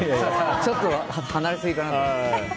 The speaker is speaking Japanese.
ちょっと離れすぎかな。